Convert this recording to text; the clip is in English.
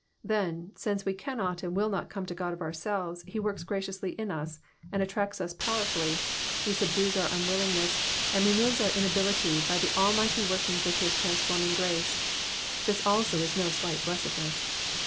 Then, since we cannot and will not come to God of ourselves, he works graciously in us, and attracts us powerfully ; he subdues our unwilling ness, and removes our inability by the almighty workings of his transforming grace. This also is no slight blessedness.